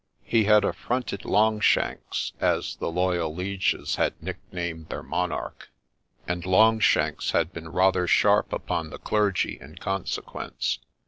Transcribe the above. He had affronted Longshanks, as the loyal lieges had nicknamed their monarch ; and Longshanks had been rather sharp upon the clergy in consequence.